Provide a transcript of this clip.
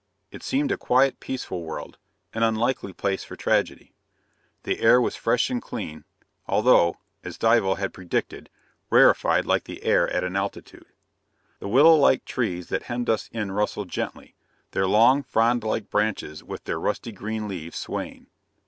It seemed a quiet, peaceful world: an unlikely place for tragedy. The air was fresh and clean, although, as Dival had predicted, rarefied like the air at an altitude. The willow like trees that hemmed us in rustled gently, their long, frond like branches with their rusty green leaves swaying.